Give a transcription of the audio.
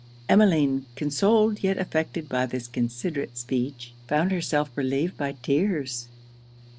Emmeline, consoled yet affected by this considerate speech, found herself relieved by tears.